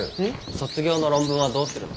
卒業の論文はどうするの？